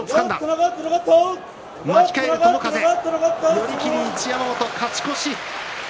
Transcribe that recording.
寄り切り、一山本勝ち越し。